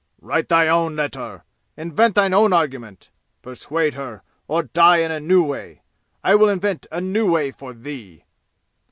"Write thine own letter! Invent thine own argument! Persuade her, or die in a new way! I will invent a new way for thee!"